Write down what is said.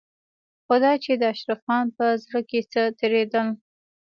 خو دا چې د اشرف خان په زړه کې څه تېرېدل.